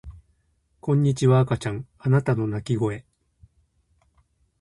こんにちは赤ちゃんあなたの泣き声